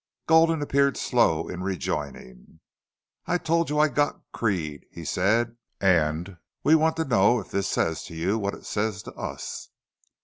Gulden appeared slow in rejoining. "I told you I got Creede," he said. "And we want to know if this says to you what it says to us."